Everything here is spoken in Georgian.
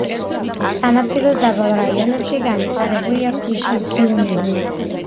სანაპიროს დაბალ რაიონებში განვითარებულია ქვიშის დიუნები.